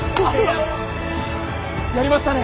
やりましたね。